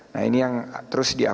nah ini yang terus dia